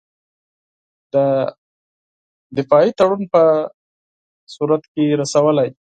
د دفاعي تړون په صورت کې رسولای.